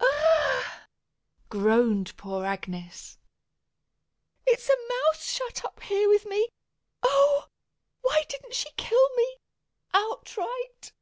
"Ugh!" groaned poor Agnes. "It's a mouse shut up here with me! Oh! why didn't she kill me, outright?"